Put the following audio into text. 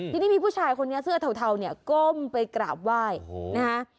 ทีนี้มีผู้ชายคนนี้เสื้อเทาเนี่ยก้มไปกราบไหว้นะคะ